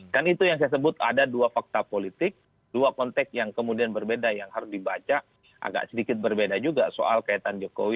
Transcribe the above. kan itu yang saya sebut ada dua fakta politik dua konteks yang kemudian berbeda yang harus dibaca agak sedikit berbeda juga soal kaitan jokowi